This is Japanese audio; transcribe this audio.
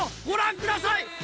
ご覧ください！